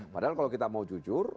padahal kalau kita mau jujur